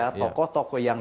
dan juga menunggu sudah menang